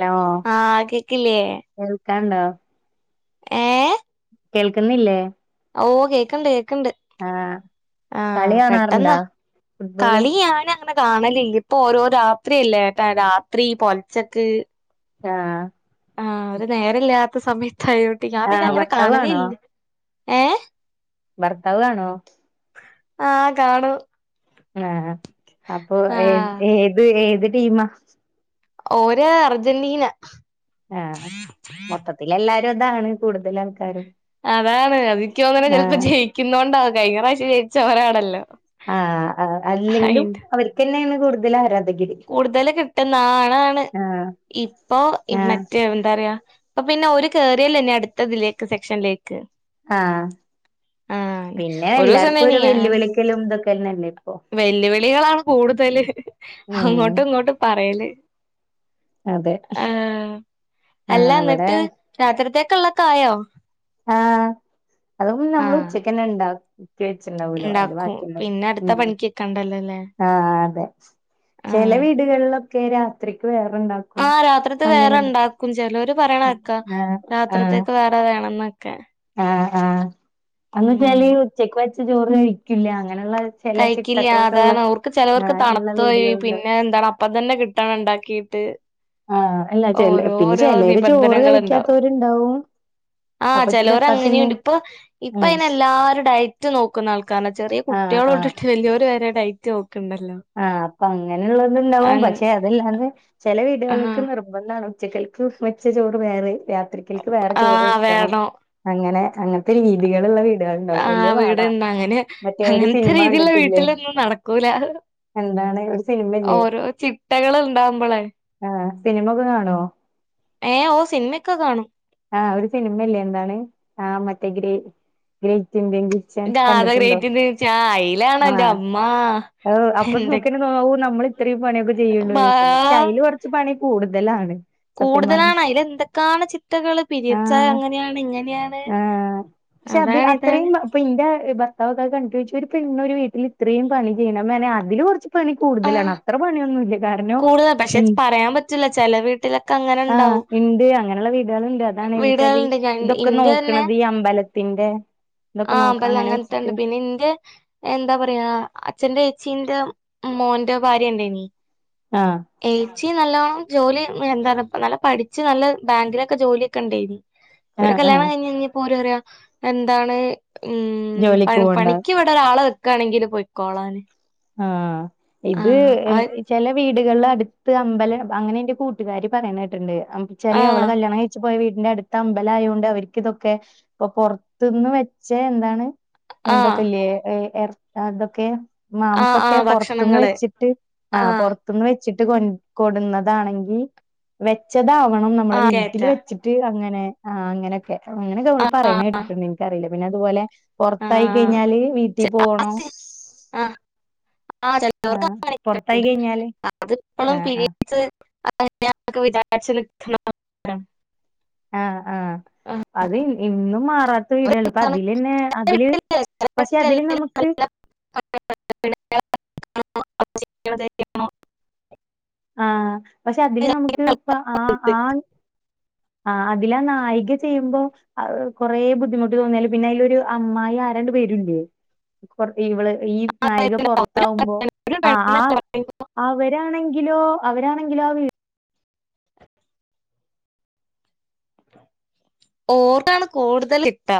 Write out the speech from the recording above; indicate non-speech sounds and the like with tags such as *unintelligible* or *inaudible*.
Hello ആഹ് കേക്കില്ലേ കേൾക്കാണ്ടോ? ഏഹ് കേൾക്ക്ന്നില്ലേ? ഓഹ് കേക്ക്ണ്ട് കേക്ക്ണ്ട് ആഹ് കളി ആഹ് കാണാറുണ്ടാ പെട്ടെന്നാ ഫുട്ബോള് കളിയാണ് അനെ കാണലില്ലെപ്പൊ ഓരോ രാത്രിയ്ല്ലേ രാത്രി പൊൽച്ചക്ക് ആഹ് ആഹ് ഒരു നേരല്യാത്ത സമയത്തായോണ്ടെ ഞാപിന്നെ ആഹ് അങ്ങനെ ഭർത്താവ് കാണലെല്ല ഏഹ് ഭർത്താവ്വേണോ ആഹ് കാണൂ ആഹ് അപ്പൊ ഏഹ് ആഹ് ഏത് ഏത് ടീമാ ഓര് അർജന്റീന ആഹ് മൊത്തത്തിലെല്ലാരും താണ് കൂടുതലാൾക്കാരും അതാണ് അതിക്കോന്ന്ണെ ചെൽപ്പോ ജയിക്കുന്നോണ്ടാ കഴിഞ്ഞറാവിശ്യം ജയിച്ചൊവരാണല്ലോ ആഹ് ആഹ് അല്ലെങ്കിലും അവർക്കന്നെണ് കൂടുതൽ ആരാധകര് കൂടുതല്കിട്ടുന്ന ആ ആളാണ് ആഹ് ഇപ്പൊ ആഹ് മറ്റേ എന്താറിയാ അപ്പൊപിന്നെ ഒരുകോറിയല്ലെന്നെ അടുത്തതിലേക്ക് സെക്ഷന്ലേക്ക് ആഹ് ആഹ് പിന്നെ ഒരുസം എല്ലാർക്കും ഒരു തന്നിയാണ് വെല്ലുവിളിക്കലും ഇതൊക്കെന്നെല്ലേ ഇപ്പൊ വെല്ലുവിളികളാണ് കൂടുതല് ഉം ഹങ്ങോട്ടുങ്ങോട്ടും പറയല് അതെ ആഹ് ആഹ് ഇവിടെ അല്ലന്ന്ട്ട് രാത്രിത്തേക്ക്ള്ള കായോ? ആഹ് അത് നമ്മള് ഉച്ചക്കന്നെണ്ടാക്കി ത്തിവെച്ച്‌ണ്ടാവെലോ അയ്‌ല് ബാക്കി ണ്ടാവും ഉം ഉം കണ്ടല്ലെല്ലേ ആഹ് അതെ ചെല വീടുകള്ലൊക്കെ രാത്രിക്ക് വേറണ്ടാകും ആഹ് രാത്രിത്തെ വേറെണ്ടാക്കും ചെലര് പറയ്ണെക്കാ ആഹ് ആഹ് രാത്രിത്തേക്ക് വേറെ വേണംന്നൊക്കെ ആഹ് ആഹ് ഉം ആന്ന്ച്ചാല് ഉച്ചക്ക് വെച്ച ചോറ് കഴിക്കില്ല അങ്ങനെയ്ള്ള കഴിക്കില്ല അതാണ് ഓർക്ക് ചെലവർക്ക് ഇള്ള തണുത്തയി വീടുകളുണ്ട് പിന്നെ എന്താണ് അപ്പംതന്നെ കിട്ടണണ്ടാക്കിട്ട് ആഹ് അല്ല ചെല പിന്നെ ഓരോരോ ചിലര് ചോറ് നിബന്ധനകള്ണ്ടോ? കഴിക്കാത്തവരുണ്ടാവും ആഹ് അപ്പൊ ചെലൊർ ചപ്പാത്തിന്നെ അങ്ങനെയ്ണ്ട് ഇപ്പൊ ഉം ഇപ്പയ്നെല്ലാരും ഡയറ്റ് നോക്കുന്നാൾക്കാ ചെ ആഹ് ആഹ് കുട്ടിളൊട്ടിട്ട് വല്‌യൊരു വരെ ഡൈറ്റ് നോക്ക്ണ്ടല്ലോ ആഹ് പ്പങ്ങനെള്ളത്ണ്ടാവും അങ് പക്ഷെ അതല്ലാതെ ചെല ആഹ് വീടുകൾക്ക് നിർബ ർഭന്താണ് ഉച്ചക്കൽക്ക് വെച്ച ചോറ് വേറെയും രാത്രിക്കൽക്ക് വേറെ ചോറ് ആഹ് വെക്കണം വേണം അങ്ങനെ അങ്ങത്തെ രീതികളുള്ള വീ ആഹ് വീട്ണ്ട് അങ്ങനെ ഒരു അങ്ങൻത്തെ സിനിമ രീതിള്ള കണ്ടിട്ടില്ലേ വീട്ട്ലൊന്നും നടക്കൂല എന്താണ് ഒരു സിനിമല്ലേ ഓരോ ചിട്ടകള്ണ്ടാവുമ്പോളെ ആഹ് സിനിമ ഒക്കെ കാണോ ഏഹ് ഓഹ് സിൻമെക്കെ കാണും ആഹ് ഒരു സിനിമെല്ലേ ന്താണ് ആഹ് മറ്റേ ഗ്രേ ഗ്രേറ്റിന്ത്യൻ കിച്ച് ച്ചൺ രാധ കണ്ട്ട്ടുണ്ടോ ഗ്രേറ്റ് ഇന്ത്യൻ ആഹ് അയിലാണ് എന്റെ ആഹ് അമ്മാ അവ് അപ്പൊ എന്തൊ ഹാവൂ നമ്മൾ ഇത്രയും പണിയൊക്കെ ബാ ചെയ്യിണ്ടൊരിസംന്ന് പ്ക്ഷെ അയ്ല് കൊറച്ച് പണി കൂടുതലാണ് സത്യം പറഞ്ഞ കൂടുതലാണ് അയ്ല് എന്തക്കാണ് ചിട്ടകൾ പേരിയേട്സായ ആഹ് അങ്ങനെയാണ് ഇങ്ങനെയാണ് അതാണ് ഇതാണ് പ്പിന്റെ ഇവ കണ്ടു വെച്ചച്ച് ഒരു പെണ്ണ ഒരു വീട്ടിൽ ഇത്രയും പണി ചെയ്യണം മെ നെ അതില് കുറച്ച് പണി ആഹ് കൂടുതലാണ് അത്ര പണിയൊന്നുല്ല കാരണം കൂടുതൽ പക്ഷെ പറയാൻ പറ്റില്ല ചെല വീട്ടിലൊക്കെ അങ്ങനെ ആ ഉണ്ടാവും ണ്ട് അങ്ങനെയുള്ള വീടുക ണ്ട് അതണ വെച്ചാല് വീടുകളുണ്ട് ഞാൻ ഇതൊക്കെ ഇന്റെ തന്നെ നോക്കണത് ഈ അമ്പലത്തിന്റെ ഇതൊക്കെ നോ ക്ക ങ്ങനെ വെച്ചിട്ട് ന്റെ എന്താ പറയാ അച്ഛറെ ചേച്ചീന്റെ മോന്റെ ഭാര്യ ണ്ടെനി ആഹ് ഏച്ചി നല്ലോണം ജോലി എന്താ നല്ല പഠിച്ച് നല്ല ബാങ്കിലൊക്കെ ജോലിയൊക്കെ ഉണ്ടായിരുന്നു ഇ ആഹ് കല്യാണം ആഹ് കഴിഞ്ഞഞ് കഴിഞ്ഞപ്പോ പോരും അറിയ എന്താണ് ഉ ജോലിക്ക് പോണ്ട പണിക്ക് ഒരാള വെക്കണെങ്കില് പോയിക്കോളാന് ആഹ് ഇത് എം ചില വീടുകളിൽ അടുത്ത് അമ്പലം അങ്ങനെ എന്റെ കൂട്ടുകാര് പറയിനേട്ടണ്ട് അച്ചല് അവള് ആ കല്യാണം കഴച്ച് പോയ വീടിന്റെ അ അമ്പലയതോണ്ട് അവർക്ക് തൊക്കെ പ്പൊ പുറത്തുന്ന് വെച്ച എന്താണ് ആ എന്തൊക്കെല്ലേ അതൊക്കെ ആ ആ മാംസൊക്കെ പുറത്തുന്ന് ഭക്ഷണങ്ങള് വെച്ചിട്ട് ആ ന്ന് വെച്ചിട്ട് കൊ കൊടുന്നതാണെങ്കിൽ വെച്ചതാവണം ആ നമ്മെ വീട്ടിൽ കേറ്റാ വെച്ചിട്ട് ട്ട് അങ്ങനെ ആ അങ്ങനൊക്കെ അങ്ങനൊക്കെ നമ്മള് ആ പറയ ആ കേട്ടിട്ടുണ്ട് എനിക്കറിയില്ല പിന്നെ അതുപോലെ പൊറ്ത്തായി കഴിഞ്ഞാല് വീട്ടി പോണം ആഹ് ആഹ് പൊറത്തായി ചെവർക്ക്ണ്ട് കഴിഞ്ഞാല് അത്പ്പോഴും ആഹ് പി ആഹ് *unintelligible* വിചാച്ച *unintelligible* ആഹ് ആഹ് ആ, അത് ഇന്നും മാറാത്ത വീടല്ലപ്പ കാരണം അതില്ന്നെ ചില അതില് വീട്ടില് ചില പക്ഷെ വീട്ടില് അതില് എല്ലാവരും നമുക്ക് നല്ല പെണ്ണ് കല്യാണം കഴിക്കണം ആഹ് പക്ഷെ അതില് നമുക്ക് വിചാരിക്കുന്ന ഇപ്പ ആഹ് ആൾക്കാരുണ്ട്. ആഹ് ആഹ് അതിലാ നായിക ചെയ്യുമ്പോ കൊറെ ബുദ്ധിമുട്ട് തോന്നിയല് പിന്നെ അതിലൊരു അമ്മായി ആരാണ്ട് വെരൂല്ലേ പൊറത്ത് ഇവള് ഈ നായിക അതായത് അവര് പുറത്താവുമ്പോ ഒരു ആഹ് പെണ്ണ് ആഹ് പറയുമ്പോ അവരാണെങ്കിലോ അവരാണെങ്കിലോ ആഹ് ഓർന്നാണ് കൂടുതൽ കിട്ടാ